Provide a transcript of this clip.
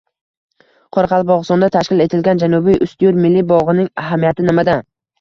Qoraqalpog‘istonda tashkil etilgan “Janubiy Ustyurt” milliy bog‘ining ahamiyati nimada